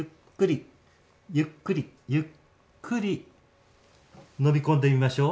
ゆっくりゆっくり飲み込んでみましょう。